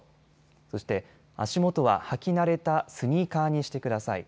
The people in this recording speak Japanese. そして足元は履き慣れたスニーカーにしてください。